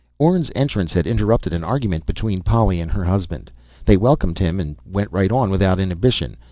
Orne's entrance had interrupted an argument between Polly and her husband. They welcomed him, went right on without inhibition.